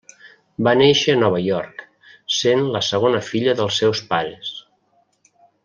Va néixer a Nova York, sent la segona filla dels seus pares.